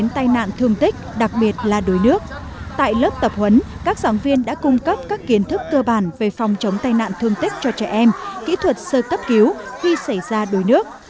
tại lớp tập huấn các giáo viên đã cung cấp các kiến thức cơ bản về phòng chống tai nạn thương tích cho trẻ em kỹ thuật sơ cấp cứu khi xảy ra đuối nước